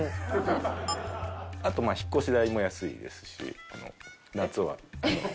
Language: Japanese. あと引っ越し代も安いですし夏は。